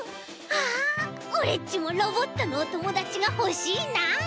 ああオレっちもロボットのおともだちがほしいな。